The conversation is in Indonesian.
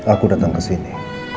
aku datang kesini